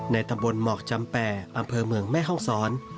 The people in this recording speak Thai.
ตำบลหมอกจำแป่อำเภอเมืองแม่ห้องศร